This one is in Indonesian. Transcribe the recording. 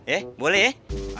eh boleh ya